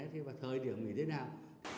thế vào thời điểm nghỉ thế nào